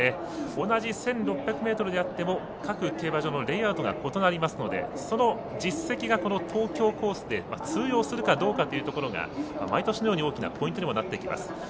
同じ１６００ｍであっても各競馬場のレイアウトが異なりますのでその実績が東京コースで通用するかどうかというところが毎年のように大きなポイントにもなってきます。